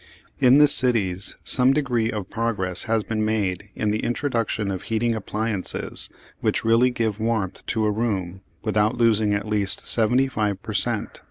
In the cities some degree of progress has been made in the introduction of heating appliances which really give warmth to a room without losing at least seventy five per cent.